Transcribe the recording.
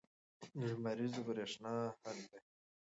لمریزه برېښنا حل دی.